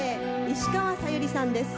石川さゆりさんです。